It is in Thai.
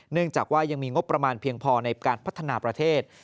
เนื่องจากว่ายังมีงบประมาณเพียงพอในการพัฒนาประเทศ